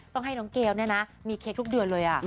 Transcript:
ต้องให้น้องเกลเนี่ยนะมีเค้กทุกเดือนเลย